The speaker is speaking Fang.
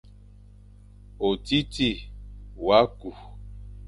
Otiti wa kü,